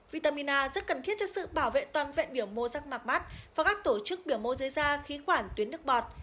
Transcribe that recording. vitamin a rất cần thiết cho sự bảo vệ toàn vẹn biểu mô rắc mắc và các tổ chức biểu mô dưới da khí quản tuyến nước bọt